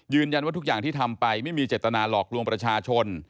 ทุกอย่างที่ทำไปไม่มีเจตนาหลอกลวงประชาชน